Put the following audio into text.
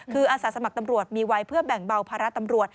คืออาสาสมัครตำรวจมีไว้เพื่อแบ่งเบาภาระตำรวจ